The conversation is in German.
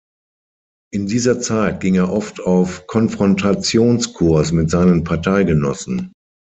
In dieser Zeit ging er oft auf Konfrontationskurs mit seinen Parteigenossen.